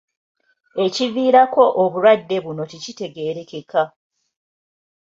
Ekiviirako obulwadde buno tekitegeerekeka